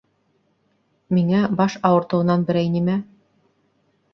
Миңә баш ауыртыуынан берәй нимә?